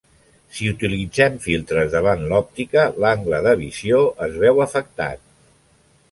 Si utilitzem filtres davant l'òptica, l'angle de visió es veu afectat.